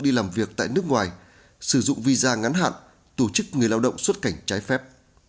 đi làm việc tại nước ngoài sử dụng visa ngắn hạn tổ chức người lao động xuất cảnh trái phép